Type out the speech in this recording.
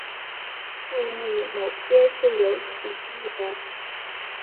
注意某些是有歧义的。